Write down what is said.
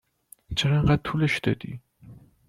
چرا اینقدر طولش دادی ؟